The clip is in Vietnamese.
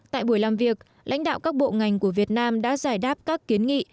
tại buổi làm việc lãnh đạo các bộ ngành của việt nam đã giải đáp các kiến nghị